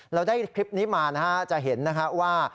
เราได้คลิปนี้มาจะเห็นว่า